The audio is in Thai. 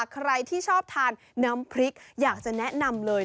ใครที่ชอบทานน้ำพริกอยากจะแนะนำเลย